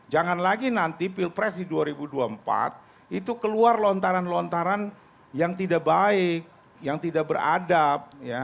jangan lagi nanti pilpres di dua ribu dua puluh empat itu keluar lontaran lontaran yang tidak baik yang tidak beradab